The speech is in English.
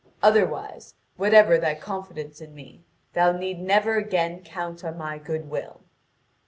Otherwise, whatever thy confidence in me, thou need never again count on my goodwill."